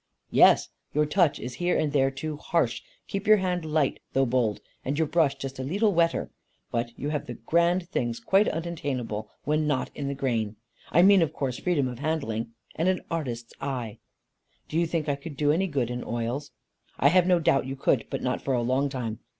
"Yes. Your touch is here and there too harsh. Keep your hand light though bold, and your brush just a leetle wetter. But you have the grand things quite unattainable, when not in the grain. I mean, of course, freedom of handling and an artist's eye." "Do you think I could do any good in oils?" "I have no doubt you could, but not for a long time.